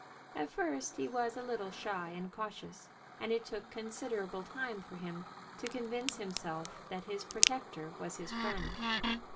At first he was a little shy and cautious and it took considerable time for him to convince himself that his protector was his friend.